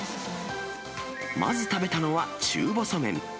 まず食べたのは中細麺。